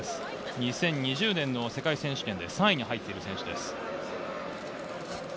２０２０年の世界選手権で３位に入っています。